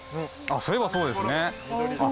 そういえばそうですねあっ